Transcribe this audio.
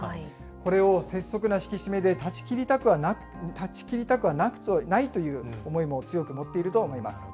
これを拙速な引き締めで、断ち切りたくはないという思いも強く持っていると思います。